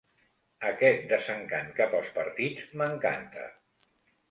Aquest desencant cap als partits m'encanta.